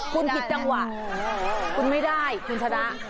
คุณผิดจังหวะคุณไม่ได้คุณชนะ